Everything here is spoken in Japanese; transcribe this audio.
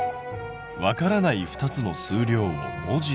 「わからない２つの数量を文字で表す」。